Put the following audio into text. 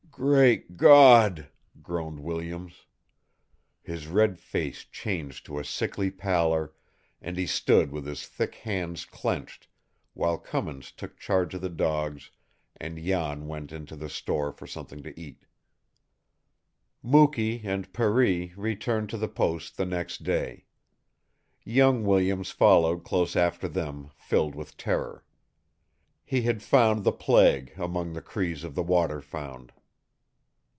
"Great God!" groaned Williams. His red face changed to a sickly pallor, and he stood with his thick hands clenched, while Cummins took charge of the dogs and Jan went into the store for something to eat. Mukee and Per ee returned to the post the next day. Young Williams followed close after them, filled with terror. He had found the plague among the Crees of the Waterfound.